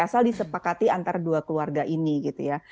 asal disepakati antara dua keluarga ini gitu ya